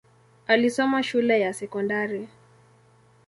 Alisoma shule ya sekondari.